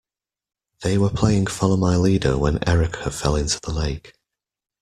They were playing follow my leader when Erica fell into the lake.